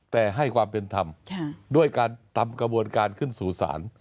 แต่ให้ความเป็นธรรมด้วยการทำกระบวนการขึ้นสู่ศาล